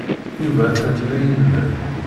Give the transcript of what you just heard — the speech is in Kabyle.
Yuba atan la ilemmed.